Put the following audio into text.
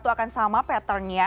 akan sama patternnya